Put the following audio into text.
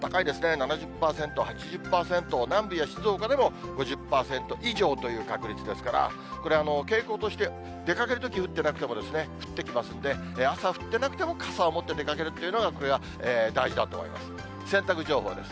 ７０％、８０％、南部や静岡でも５０％以上という確率ですから、これ、傾向として出かけるとき降ってなくても降ってきますんで、朝降ってなくても傘を持って出かけるっていうのが、これは大事だと思います。